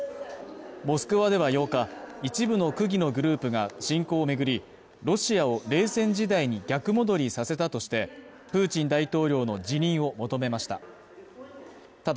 モスクワでは８日、一部の区議のグループが侵攻を巡り、ロシアを冷戦時代に逆戻りさせたとしてプーチン大統領の辞任を求めました。